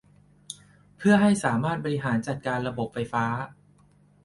เพื่อให้สามารถบริหารจัดการระบบไฟฟ้า